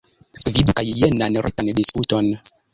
Vidu kaj jenan retan diskuton.